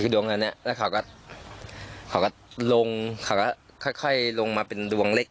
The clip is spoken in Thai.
คือดวงอันนี้แล้วเขาก็เขาก็ลงเขาก็ค่อยลงมาเป็นดวงเล็ก